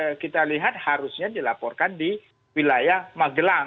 nah karena kita lihat harusnya dilaporkan di wilayah menggelang